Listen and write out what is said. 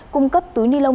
cung cấp túi ni lệch